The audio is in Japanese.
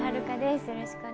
よろしくお願いします。